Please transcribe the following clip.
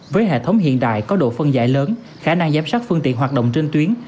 với hệ thống hiện đại có độ phân giải lớn khả năng giám sát phương tiện hoạt động trên tuyến